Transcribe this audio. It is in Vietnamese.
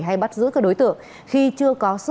hay bắt giữ các đối tượng khi chưa có sự can thiệp